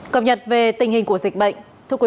cập nhật về tình hình của dịch bệnh